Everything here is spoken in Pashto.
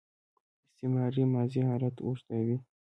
استمراري ماضي حالت اوږدوي.